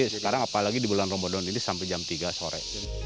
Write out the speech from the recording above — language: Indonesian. sekarang apalagi di bulan ramadan ini sampai jam tiga sore